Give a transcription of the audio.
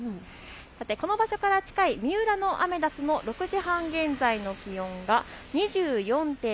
さて、この場所から近い三浦のアメダスの６時半現在の気温が２４．６度。